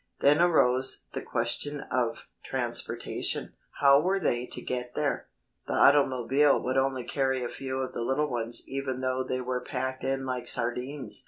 Then arose the question of transportation. How were they to get there? The automobile would only carry a few of the little ones even though they were packed in like sardines.